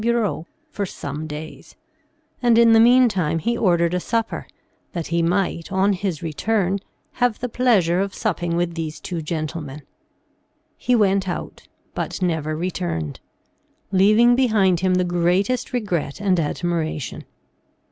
Bureau for some days, and in the meantime he ordered a supper, that he might, on his return, have the pleasure of supping with these two gentlemen. He went out, but never returned, leaving behind him the greatest regret and admiration.